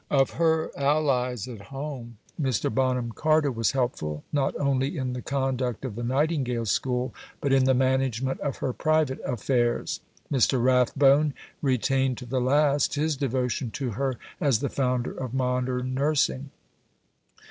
Of her allies at home, Mr. Bonham Carter was helpful, not only in the conduct of the Nightingale School but in the management of her private affairs. Mr. Rathbone retained to the last his devotion to her as the founder of modern nursing.